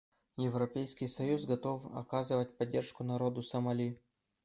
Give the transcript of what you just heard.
Европейский союз готов оказывать поддержку народу Сомали.